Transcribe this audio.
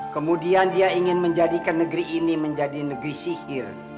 kemudian dia ingin menjadikan negeri ini menjadi negeri sihir